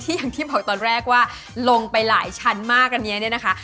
อย่างที่บอกตอนแรกว่าลงไปหลายชั้นมากอันนี้เนี่ยนะคะ